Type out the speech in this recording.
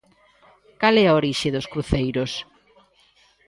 Cal é a orixe dos cruceiros?